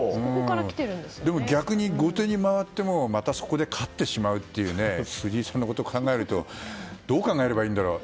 でも逆に後手に回ってもまたそこで勝ってしまうという藤井さんのことを考えるとどう考えればいいんだろう。